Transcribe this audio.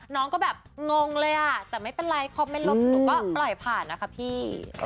น้องก็แบบงงเลยอ่ะแต่ไม่เป็นไรคอมเมนต์ลบหนูก็ปล่อยผ่านนะคะพี่